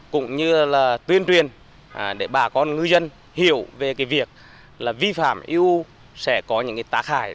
cũng như tuyên truyền để bà con ngư dân hiểu về việc vi phạm eu sẽ có những tác hải